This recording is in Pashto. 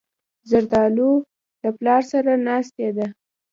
زردالو له پلار سره ناستې ده.